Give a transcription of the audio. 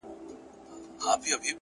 ښه فکر ښه عمل زېږوي.